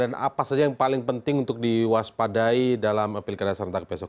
dan apa saja yang paling penting untuk diwaspadai dalam pilkada serentak besok